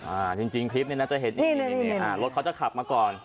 อ่าจริงคลิปนี้น่าจะเห็นนี่รถเขาจะขับมาก่อน